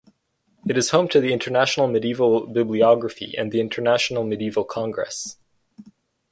It is home to the International Medieval Bibliography and the International Medieval Congress.